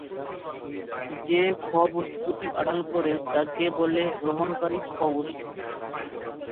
যে খ-বস্তুটি আড়াল করে, তাকে বলে গ্রহণকারী খ-বস্তু।